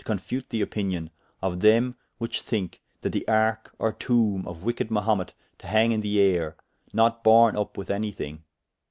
339] confute the opinion of them whiche thynke that the arke or toombe of wicked Mahumet to hang in the ayre, not borne vp with any thing.